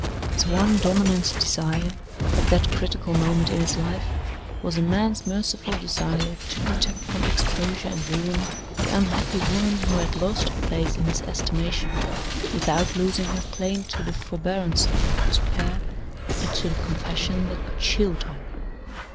His one dominant desire, at that critical moment in his life, was a man's merciful desire to protect from exposure and ruin the unhappy woman who had lost her place in his estimation, without losing her claim to the forbearance that could spare, and to the compassion that could shield her.